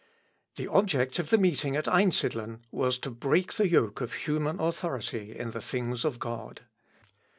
The object of the meeting at Einsidlen was to break the yoke of human authority in the things of God.